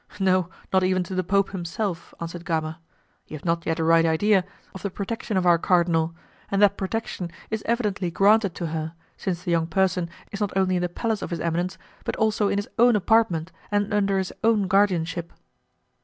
"No, not even to the Pope himself," answered Gama. "You have not yet a right idea of the protection of our cardinal, and that protection is evidently granted to her, since the young person is not only in the palace of his eminence, but also in his own apartment and under his own guardianship."